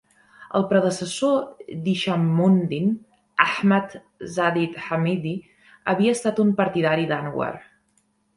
El predecessor d'Hishammundin, Ahmad Zahid Hamidi, havia estat un partidari d'Anwar.